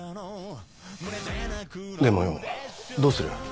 でもよどうする？